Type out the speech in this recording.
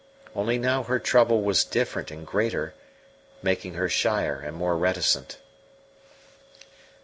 Only now her trouble was different and greater, making her shyer and more reticent.